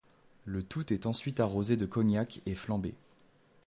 Le tout est ensuite arrosé de cognac et flambé.